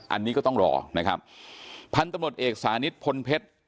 อันนี้ก็ต้องรอนะครับพันธุ์ตำรวจเอกสานิทพลเพชร